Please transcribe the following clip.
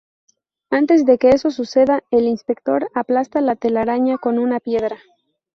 Antes de que eso suceda, el inspector aplasta la telaraña con una piedra.